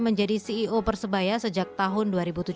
menjadi ceo persebaya sejak tahun dua ribu tujuh belas